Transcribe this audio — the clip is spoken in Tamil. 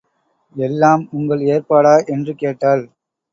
எல்லாம் உங்கள் ஏற்பாடா? என்று கேட்டாள்.